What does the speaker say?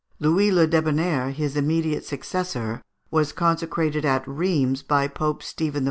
Louis le Débonnaire, his immediate successor, was consecrated at Rheims by Pope Stephen IV.